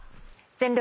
『全力！